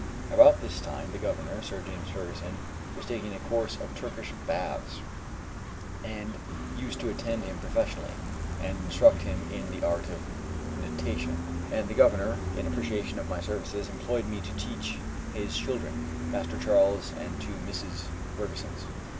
About this time the Governor, Sir James Fergusson, was taking a course of Turkish baths, and I used to attend him professionally, and instruct him in the art of natation; and the Governor, in appreciation of my services, employed me to teach his children, Master Charles and the two Misses Fergussons.